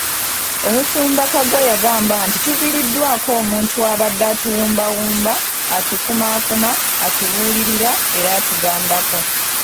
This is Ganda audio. Omusumba Kaggwa yagamba nti tuviiriddwako omuntu abadde atuwumbawumba, atukumaakuma, atubuulirira era atugambako.